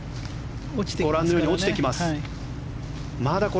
ご覧のように落ちてきます。